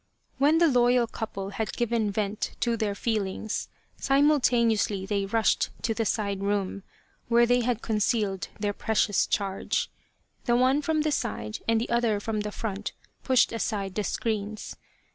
When the loyal couple had given vent to their feel ings, simultaneously they rushed to the side room, where they had concealed their precious charge. The one from the side and the other from the front pushed aside the screens.